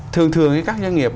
thường thường các doanh nghiệp